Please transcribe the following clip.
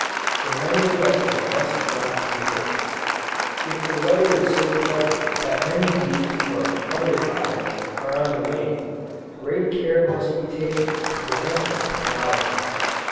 Remember that they must not be hurt. If the weather is so pleasant that many bees from other hives, are on the wing, great care must be taken to prevent them from robbing.